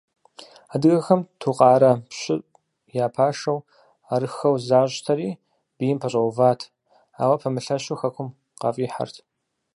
Адыгэхэм Тукъарэ пщыр я пашэу арыххэу защтэри, бийм пэщӏэуващ, ауэ пэмылъэщу хэкум къафӏихьэрт.